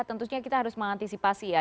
tentunya kita harus mengantisipasi ya